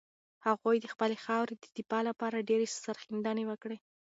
هغوی د خپلې خاورې د دفاع لپاره ډېرې سرښندنې وکړې.